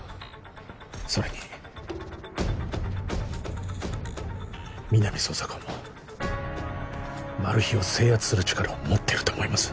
それに皆実捜査官もマル被を制圧する力を持ってると思います